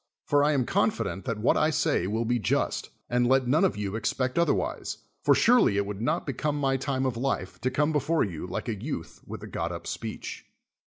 For I am confident that what I say will be just, and let none of you expect otherwise; for surely it would not become my time of life to come before you like a youth with a got up speech.